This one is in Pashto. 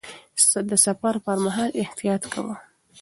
د سفر پر مهال احتياط کاوه.